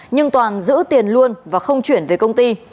nhưng toàn giữ tiền luôn và không chuyển về công ty